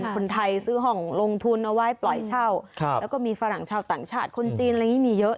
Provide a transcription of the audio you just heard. คนไทยซื้อห้องลงทุนเอาไว้ปล่อยเช่าแล้วก็มีฝรั่งชาวต่างชาติคนจีนอะไรอย่างนี้มีเยอะ